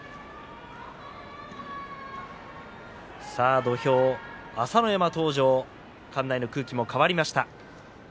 土俵は朝乃山登場館内の空気も変わりました。